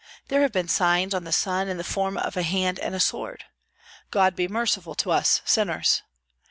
There have been signs on the sun in the form of a hand and a sword. God be merciful to us, sinners!